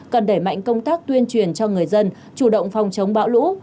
cần đẩy mạnh công tác tuyên truyền cho người dân chủ động phòng chống bão lũ